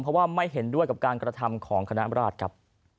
เพราะว่าไม่เห็นด้วยกับการกระทำของคณะราชครับ